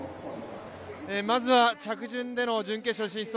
まずは着順での準決勝進出